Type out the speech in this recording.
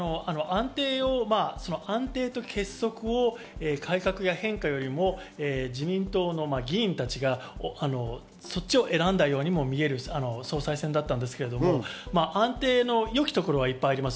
安定と結束を改革や変化よりも自民党の議員たちがそっちを選んだようにも見える総裁選だったんですけど、安定の良き所はいっぱいあります。